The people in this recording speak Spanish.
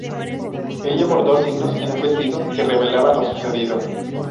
Ella bordó signos en un vestido, que revelaban lo sucedido.